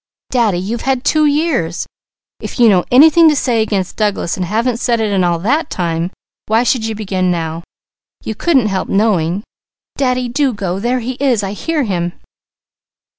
"Daddy, you've had two years! If you know anything to say against Douglas and haven't said it in all that time, why should you begin now? You couldn't help knowing! Daddy, do go! There he is! I hear him!"